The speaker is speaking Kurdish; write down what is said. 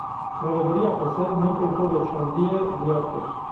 Rêveberiya Xweser nirxê tovê çandiyê diyar kir.